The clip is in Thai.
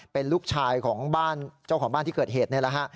เป็นลูกชายของบ้านเจ้าของบ้านที่เกิดเหตุนี่แหละฮะ